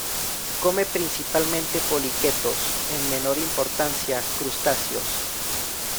Come principalmente poliquetos, en menor importancia, crustáceos.